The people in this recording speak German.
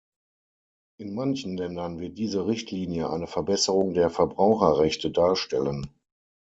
In manchen Ländern wird diese Richtlinie eine Verbesserung der Verbraucherrechte darstellen.